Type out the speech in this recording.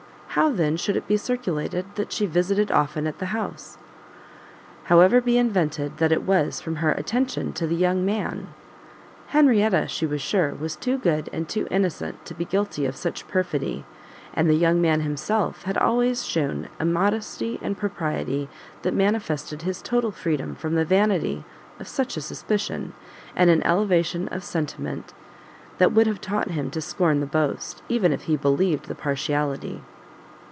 How, then, should it be circulated, that she "visited often at the house?" however be invented that it was from her "attention to the young man?" Henrietta, she was sure, was too good and too innocent to be guilty of such perfidy; and the young man himself had always shewn a modesty and propriety that manifested his total freedom from the vanity of such a suspicion, and an elevation of sentiment that would have taught him to scorn the boast, even if he believed the partiality.